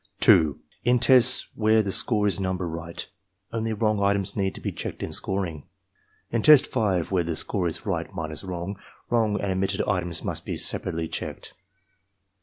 2. In tests where the score is number right, only wrong items need be checked in scoring. In Test 5, where the score is right minus wrong, wrong and omitted items must be separately checked.